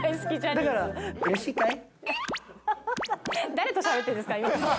だから、誰としゃべってるんですか？